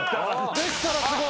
できたらすごい。